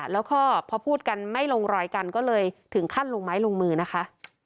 แล้วก็พอพูดกันไม่ลงรอยกันก็เลยถึงขั้นลงไม้ลงมือนะคะ